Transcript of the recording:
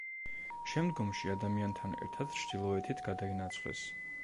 შემდგომში ადამიანთან ერთად ჩრდილოეთით გადაინაცვლეს.